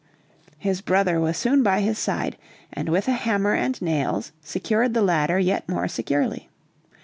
His brother was soon by his side, and with a hammer and nails secured the ladder yet more securely.